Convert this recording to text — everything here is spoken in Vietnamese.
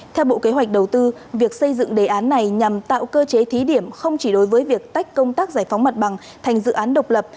theo bộ kế hoạch đầu tư việc xây dựng đề án này nhằm tạo cơ chế thí điểm không chỉ đối với việc tách công tác giải phóng mặt bằng thành dự án độc lập